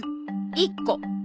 １個。